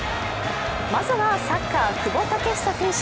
まずはサッカー・久保建英選手。